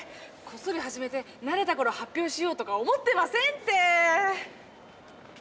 こっそり始めて慣れた頃発表しようとか思ってませんって。